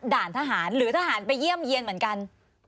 ด่านทหารหรือทหารไปเยี่ยมเยี่ยนเหมือนกัน